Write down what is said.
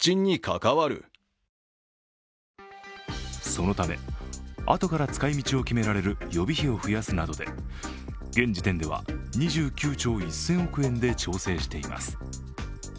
そのためあとから使い道を決められる予備費を増やすなどで現時点では２９兆１０００億円で調整しています。